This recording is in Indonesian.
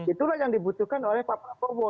itulah yang dibutuhkan oleh pak prabowo